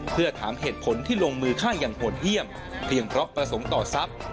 เพื่อถามเหตุผลที่ลงมือฆ่าอย่างโหดเยี่ยมเพียงเพราะประสงค์ต่อทรัพย์